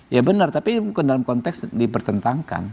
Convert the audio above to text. ya benar tapi bukan dalam konteks dipertentangkan